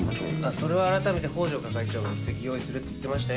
それはあらためて北条係長が一席用意するって言ってましたよ。